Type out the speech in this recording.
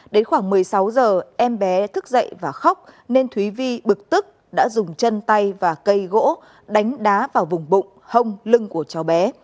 đến khoảng một mươi sáu giờ em bé thức dậy và khóc nên thúy vi bực tức đã dùng chân tay và cây gỗ đánh đá vào vùng bụng hông lưng của cháu bé